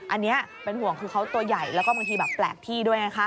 อันนี้เป็นห่วงคือเขาตัวใหญ่แล้วก็บางทีแบบแปลกที่ด้วยนะคะ